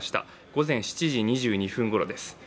午前７時２２分ごろです。